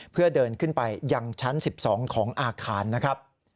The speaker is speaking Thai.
เพื่อเดินขึ้นไปยังชั้น๑๒ของอาคารนะครับ